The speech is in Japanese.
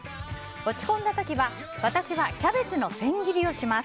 落ち込んだ時は私はキャベツの千切りをします。